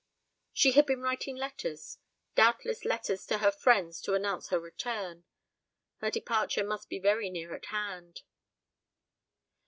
She had been writing letters doubtless letters to her friends to announce her return. Her departure must be very near at hand.